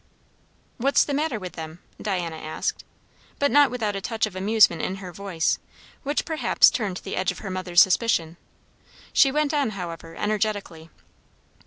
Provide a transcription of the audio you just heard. "What's the matter with them?" Diana asked; but not without a touch of amusement in her voice, which perhaps turned the edge of her mother's suspicion. She went on, however, energetically.